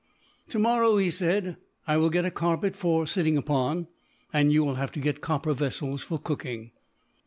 "Tomorrow," he said, "I will get a carpet for sitting upon, and you will have to get copper vessels, for cooking."